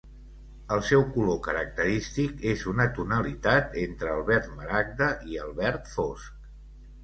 El seu color característic és una tonalitat entre el verd maragda i el verd fosc.